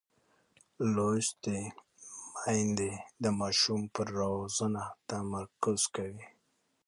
لوستې میندې د ماشوم پر روزنه تمرکز کوي.